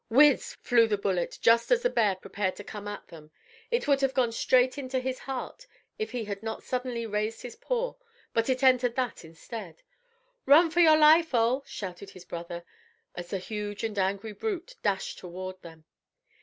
Whizz! flew the bullet just as the bear prepared to come at them. It would have gone straight into his heart if he had not suddenly raised his paw, but it entered that instead. "Run for your life, Ole," shouted his brother, as the huge and angry brute dashed toward them.